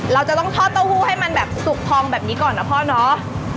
เราจะต้องทอดเต้าหู้ให้มันแบบสุกพองแบบนี้ก่อนนะพ่อเนาะ